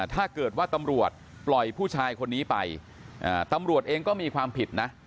ถ้าเกิดว่าตำรวจปล่อยผู้ชายคนนี้ไปตำรวจเองก็มีความผิดนะ